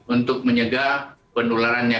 untuk menyegah penularannya